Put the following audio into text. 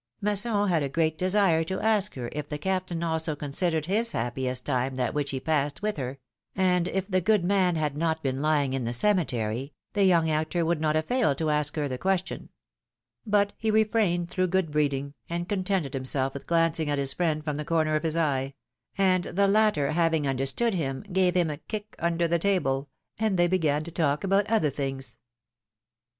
^^ Masson had a great desire to ask her if the Captain also considered his happiest time that which he passed with her; and if the good man had not been lying in the cemetery, the youiig actor would not have failed to ask her the question ; but he refrained through good breeding, and contented himself with glancing at his friend from the corner of his eye; and the latter having understood him, gave him a kick under the table, and they began talking about other things.